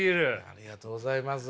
ありがとうございます。